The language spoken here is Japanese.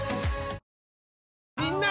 みんな！